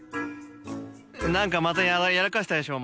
何かまたやらかしたでしょ。